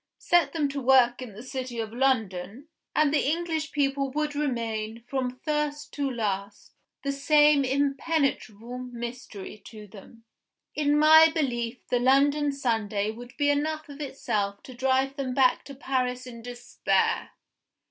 Set them to work in the city of London and the English people would remain, from first to last, the same impenetrable mystery to them. In my belief the London Sunday would be enough of itself to drive them back to Paris in despair.